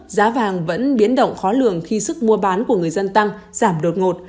giá vàng vẫn biến động khó lường khi sức mua bán của người dân tăng giảm đột ngột